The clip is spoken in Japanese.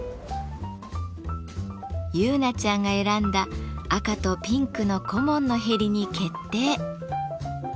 結菜ちゃんが選んだ赤とピンクの小紋のへりに決定。